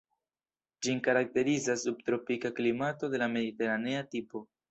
Ĝin karakterizas subtropika klimato de la mediteranea tipo.